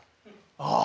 ああ。